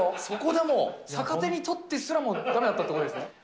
そこでも逆手に取ってすらもだめだったってことですね。